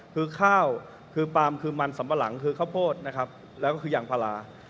คือข้าวคือปาล์มคือมันสำมะหลังคือข้าวโพดแล้วก็คืออย่างภารา